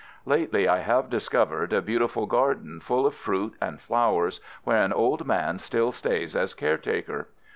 Lately I have discovered a beautiful garden full of fruit and flowers where an old man still stays as caretaker.